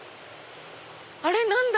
あれ何だ？